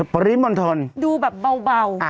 ปริมนตรดูแบบเบาอ่า